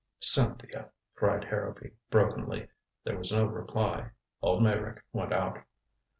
"Cynthia," cried Harrowby brokenly. There was no reply. Old Meyrick went out.